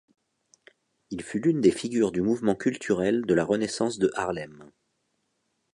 Il fut l'une des figures du mouvement culturel de la Renaissance de Harlem.